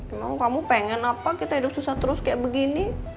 emang kamu pengen apa kita hidup susah terus kayak begini